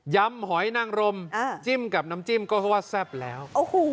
ยำหอยนั่งรมอ้าจิ้มกับน้ำจิ้มก็คือว่าแซ่บแล้วโอ้โห